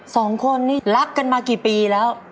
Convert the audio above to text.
สองคนนี่รักกันมากี่ปีแล้ว